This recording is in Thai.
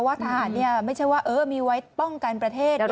ทหารไม่ใช่ว่ามีไว้ป้องกันประเทศ